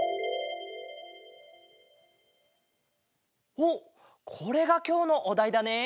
おっこれがきょうのおだいだね？